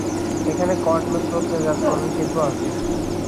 এখানে কড মাছ প্রক্রিয়াজাতকরণ শিল্প আছে।